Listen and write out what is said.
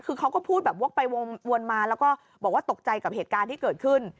คือเขาก็พูดแบบวกไปวนมาแล้วก็บอกว่าตกใจกับเหตุการณ์ที่เกิดขึ้น